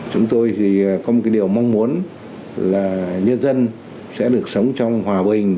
chúng tôi thì có một cái điều mong muốn là nhân dân sẽ được sống trong hòa bình